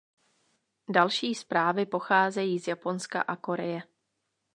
Další zprávy pocházejí z Japonska a Koreje.